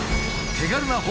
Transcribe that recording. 手軽なの？